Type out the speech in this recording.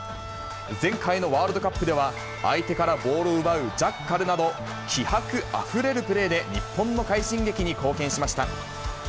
前回のワールドカップでは、相手からボールを奪うジャッカルなど、気迫あふれるプレーで日本の快進撃に貢献しました。